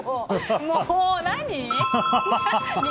もう、何？